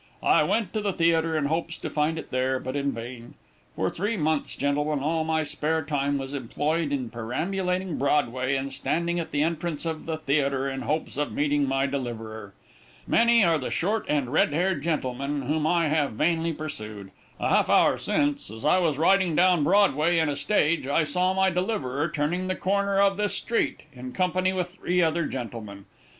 I went to the theatre, in hopes to find it there, but in vain. For three months, gentlemen, all my spare time was employed in perambulating Broadway, and standing at the entrance of the theatre, in hopes of meeting my deliverer. Many are the short and red haired gentlemen whom I have vainly pursued. A half hour since, as I was riding down Broadway in a stage, I saw my deliverer turning the corner of this street, in company with three other gentlemen.